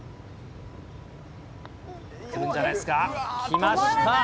来るんじゃないですか、来ました。